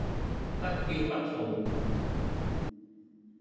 不驕不躁